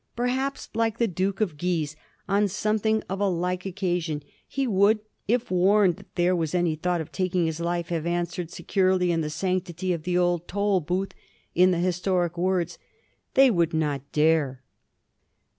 Perhaps, like the Duke of Guise on something of a like occasion, he would, if warned that there was any thought of taking his life, have answered, secure in the sanctity of the old Tolbooth, in the historic words, " They would not dare."